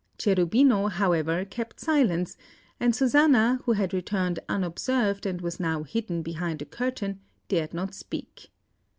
Cherubino, however, kept silence, and Susanna, who had returned unobserved and was now hidden behind a curtain, dared not speak.